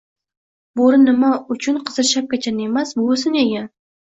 Bo'ri nima uchun Qizil Shapkachani emas, buvisini yegan?